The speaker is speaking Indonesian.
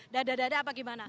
dadah dadah apa gimana